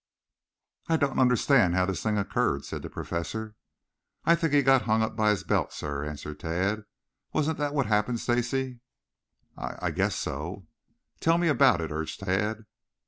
"I don't understand how this thing occurred," said the Professor. "I think he got hung up by his belt, sir," answered Tad. "Wasn't that what happened, Stacy?" "I I guess so." "Tell me about it," urged Tad.